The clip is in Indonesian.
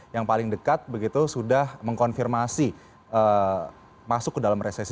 yang paling dekat begitu sudah mengkonfirmasi masuk ke dalam resesi